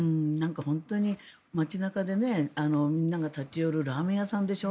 本当に街中でみんなが立ち寄るラーメン屋さんでしょ。